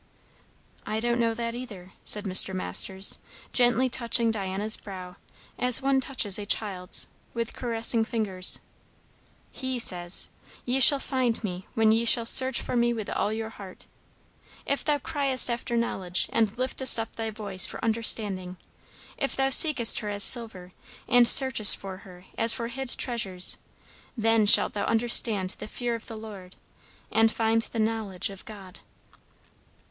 "I don't know that either," said Mr. Masters, gently touching Diana's brow, as one touches a child's, with caressing fingers. "He says: 'Ye shall find me when ye shall search for me with all your heart.' 'If thou criest after knowledge, and liftest up thy voice for understanding; if thou seekest her as silver, and searchest for her as for hid treasures; then shalt thou understand the fear of the Lord, and find the knowledge of God.'"